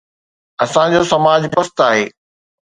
اسان جو سماج پست آهي.